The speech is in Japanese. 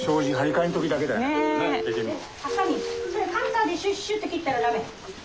カッターでシュッシュッって切ったら駄目。